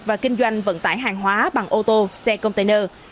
và kinh doanh vận tải hàng hóa bằng ô tô xe container